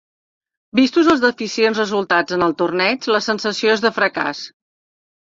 Vistos els deficients resultats en el torneig, la sensació és de fracàs.